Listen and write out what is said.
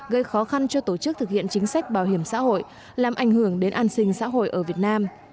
gây khó khăn cho tổ chức thực hiện chính sách bảo hiểm xã hội làm ảnh hưởng đến an sinh xã hội ở việt nam